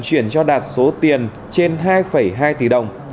chuyển cho đạt số tiền trên hai hai tỷ đồng